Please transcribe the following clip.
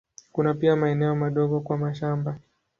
Kuna pia maeneo madogo kwa mashamba.